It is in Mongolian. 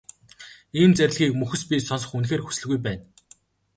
Ийм зарлигийг мөхөс би сонсох үнэхээр хүсэлгүй байна.